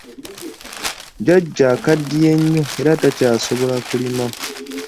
Jjajja akaddiye nnyo era takyasobola kulima.